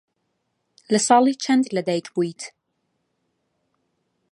لە ساڵی چەند لەدایک بوویت؟